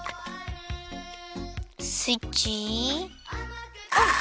スイッチオン！